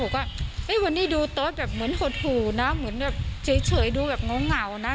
บอกว่าเอ๊ะวันนี้ดูโต๊ะแบบเหมือนหดหูนะเหมือนแบบเฉยเฉยดูแบบเหงาเหงานะ